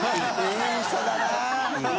いい人だなぁ。